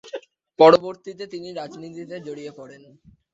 পরবর্তীতে তিনি রাজনীতিতে জড়িয়ে পড়েন।